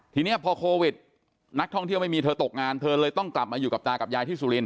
ทีนี้พอโควิดนักท่องเที่ยวไม่มีเธอตกงานเธอเลยต้องกลับมาอยู่กับตากับยายที่สุรินท